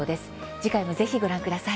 次回も、ぜひご覧ください。